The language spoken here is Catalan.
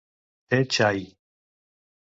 Tè Chai?